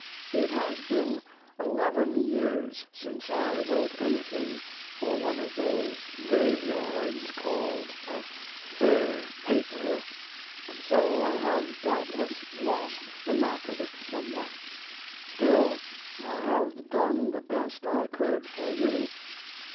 It has been eleven years since I wrote anything for one of those graveyards called a "Fair paper," and so I have doubtless lost the knack of it somewhat; still I have done the best I could for you.